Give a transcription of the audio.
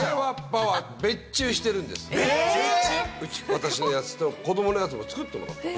私のやつと子供のやつも作ってもらった。